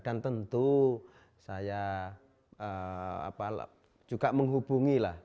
dan tentu saya juga menghubungi lah